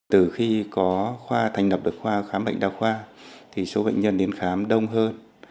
từ khi có khoa thành lập được khoa khám bệnh đào khoa thì số bệnh nhân đến khám đông hơn